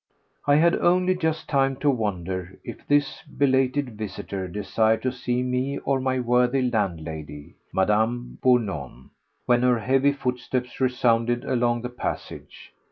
I had only just time to wonder if this belated visitor desired to see me or my worthy landlady, Mme. Bournon, when her heavy footsteps resounded along the passage.